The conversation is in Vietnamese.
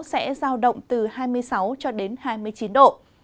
sẽ giao động từ hai mươi sáu cho đến hai mươi chín độ